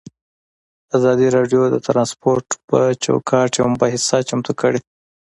ازادي راډیو د ترانسپورټ پر وړاندې یوه مباحثه چمتو کړې.